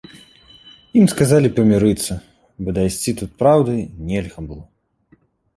Ім сказалі памірыцца, бо дайсці тут праўды нельга было.